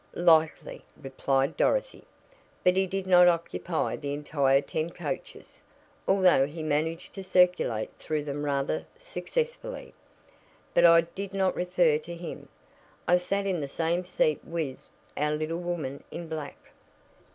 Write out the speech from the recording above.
"Likely," replied Dorothy; "but he did not occupy the entire ten coaches, although he managed to circulate through them rather successfully. But I did not refer to him. I sat in the same seat with our little woman in black!"